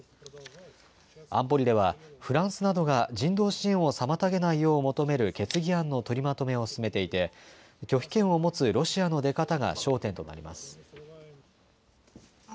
安保理ではフランスなどが人道支援を妨げないよう求める決議案の取りまとめを進めていて拒否権を持つロシアの出方が焦点となります。